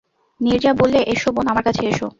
নীরজা বললে, এসো বোন, আমার কাছে এসো।